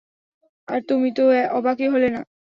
আর তুমি তো অবাকই হলে না।